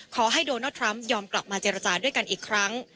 ขอให้โดนัลดทรัมป์ยอมกลับมาเจรจาด้วยกันอีกครั้ง